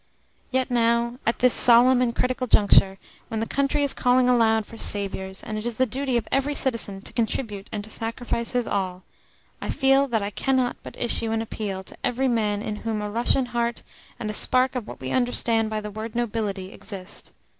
Yet now, at this solemn and critical juncture, when the country is calling aloud for saviours, and it is the duty of every citizen to contribute and to sacrifice his all, I feel that I cannot but issue an appeal to every man in whom a Russian heart and a spark of what we understand by the word 'nobility' exist.